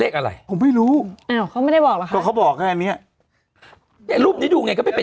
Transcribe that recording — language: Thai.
ของแต่ละคนว่าเห็นเป็นเลขอะไรอย่างนี้แหละ